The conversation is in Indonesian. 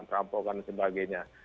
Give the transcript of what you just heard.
rampokan dan sebagainya